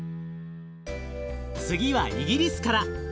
次はイギリスから。